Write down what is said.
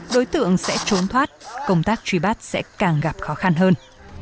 đối tượng sẽ trốn thoát công tác truy bắt sẽ càng gặp khó khăn hơn